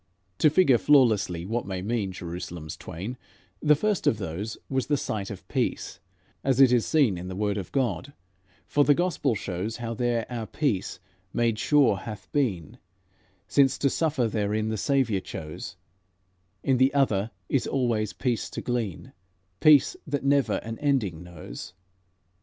"To figure flawlessly what may mean Jerusalems twain: the first of those Was 'the Sight of Peace' as it is seen In the word of God, for the gospel shows How there our peace made sure hath been, Since to suffer therein the Saviour chose; In the other is always peace to glean, Peace that never an ending knows.